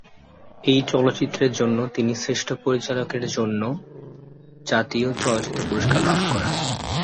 এই চলচ্চিত্রের জন্য তিনি শ্রেষ্ঠ পরিচালকের জন্য জাতীয় চলচ্চিত্র পুরস্কার লাভ করেন।